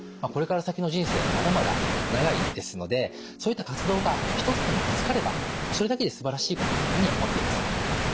これから先の人生まだまだ長いですのでそういった活動が１つでも見つかればそれだけですばらしいかなというふうに思っています。